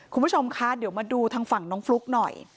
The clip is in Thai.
คุณผู้ชมคะเดี๋ยวมาดูทางฝั่งน้องฟลุ๊กหน่อย